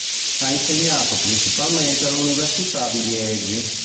Ha insegnato principalmente all'Università di Liegi.